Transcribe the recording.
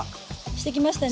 してきましたね。